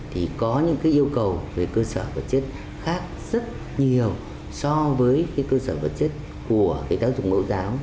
thì có những yêu cầu về cơ sở vật chất khác rất nhiều so với cơ sở vật chất của tác dụng mẫu giáo